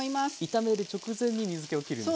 炒める直前に水けをきるんですね。